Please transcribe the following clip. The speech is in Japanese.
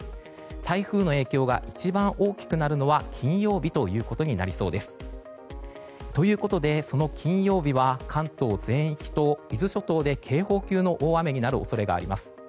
台風の影響が一番大きくなるのは金曜日になりそうです。ということで、その金曜日は関東全域と伊豆諸島で警報級の大雨になる恐れがあります。